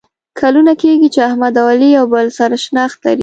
کلونه کېږي چې احمد او علي یو له بل سره شناخت لري.